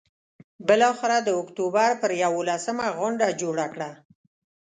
بالآخره د اکتوبر پر یوولسمه غونډه جوړه کړه.